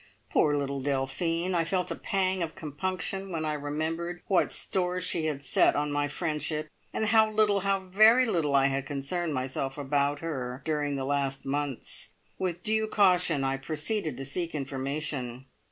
Poor little Delphine! I felt a pang of compunction when I remembered what store she had set on my friendship, and how little, how very little, I had concerned myself about her during the last months! With due caution I proceeded to seek information.